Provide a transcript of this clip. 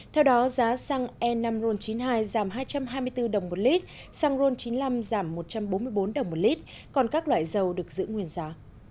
theo đó giá xăng e năm ron chín mươi hai giảm hai trăm hai mươi bốn đồng một lít xăng ron chín mươi năm giảm một trăm bốn mươi bốn đồng một lít còn các loại dầu được giữ nguyên giá